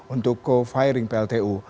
untuk co firing pltu